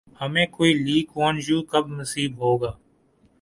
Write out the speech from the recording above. ہمیں کوئی لی کوآن یو کب نصیب ہوگا؟